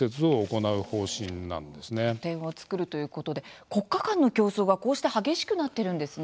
拠点を作るということで国家間の競争が、こうして激しくなっているんですね。